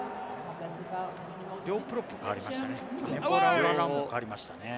両プロップ代わりましたね。